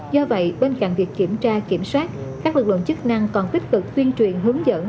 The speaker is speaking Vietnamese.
do vậy bên cạnh việc kiểm tra kiểm soát các lực lượng chức năng còn tích cực tuyên truyền hướng dẫn